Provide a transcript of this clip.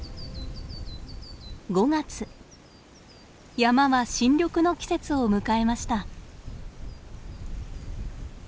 山は新緑の季節を迎えました。